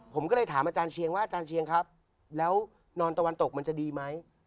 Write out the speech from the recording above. ผมก็เลยถามอาจารย์เชียงว่าอาจารย์เชียงครับแล้วนอนตะวันตกมันจะดีไหม